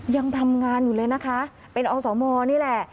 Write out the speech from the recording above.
ยังทำงานอยู่เลยนะคะเป็นอสมนี่แหละ